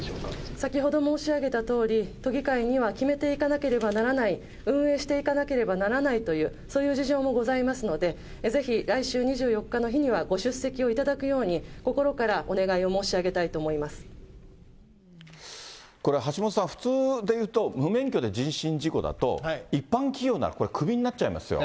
先ほど申し上げたとおり、都議会には決めていかなければならない、運営していかなければならないという、そういう事情もございますので、ぜひ来週２４日の日にはご出席をいただくように、心からお願いをこれ橋下さん、普通でいうと、無免許で人身事故だと、一般企業なら、これクビになっちゃいますよ。